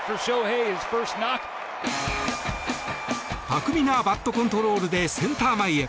巧みなバットコントロールでセンター前へ。